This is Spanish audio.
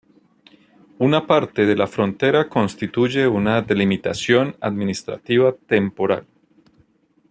Una parte de la frontera constituye una delimitación administrativa temporal.